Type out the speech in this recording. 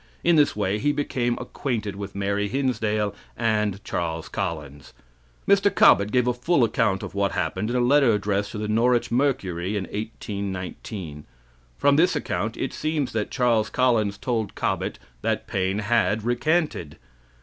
In this way he became acquainted with Mary Hinsdale and Charles Collins. Mr. Cobbett gave a full account of what happened in a letter addressed to The Norwich Mercury in 1819. From this account it seems that Charles Collins told Cobbett that Paine had recanted.